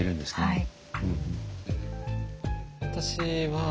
はい。